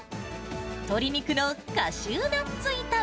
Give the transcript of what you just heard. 鶏肉のカシューナッツ炒め。